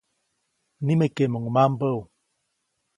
Nimekeʼmuŋ mambäʼu.